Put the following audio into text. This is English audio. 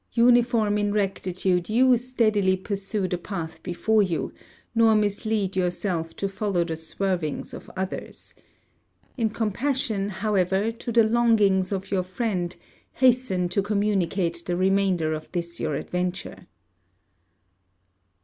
Uniform in rectitude, you steadily pursue the path before you; nor mislead yourself to follow the swervings of others. In compassion, however, to the longings of your friend, hasten to communicate the remainder of this your adventure.